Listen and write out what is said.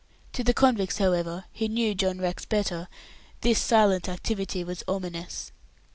To the convicts, however, who knew John Rex better, this silent activity was ominous.